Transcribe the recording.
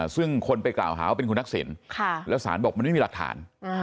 ซึ่งคนไปกล่าวหาว่าเป็นคุณทักษิณแล้วสารบอกมันไม่มีหลักฐาน